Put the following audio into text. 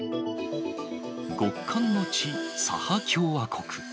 極寒の地、サハ共和国。